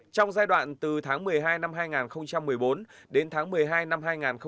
trong giai đoạn từ tháng một mươi hai năm hai nghìn một mươi bốn đến tháng một mươi hai năm hai nghìn một mươi tám